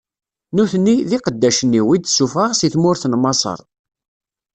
Nutni, d iqeddacen-iw, i d-ssufɣeɣ si tmurt n Maṣer.